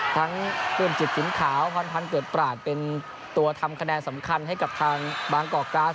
ทั้งเพื่อนจิตฟินขาวพรรณภัณฑ์เกิดปรากเป็นตัวทำคะแนนสำคัญให้กับทางบางกอกกร้าส